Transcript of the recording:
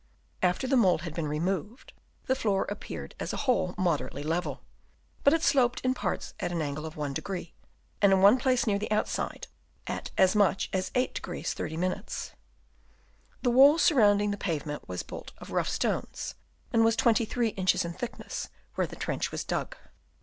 After the mould had been removed, the floor appeared as a whole moderately level ; but it sloped, in parts at an angle of 1°, and in one place near the outside at as much as 8° 30'. The wall surrounding the pavement was built of rough stones, and was 23 inches in thickness where the trench was dug.